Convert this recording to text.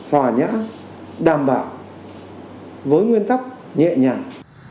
hỏa nhã đảm bảo với nguyên tắc nhẹ nhàng